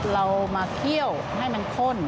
เรามาเคี่ยวให้มันข้น